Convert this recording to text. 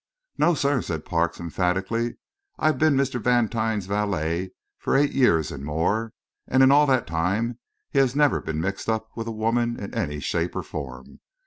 "No, sir," said Parks, emphatically. "I've been Mr. Vantine's valet for eight years and more, and in all that time he has never been mixed up with a woman in any shape or form.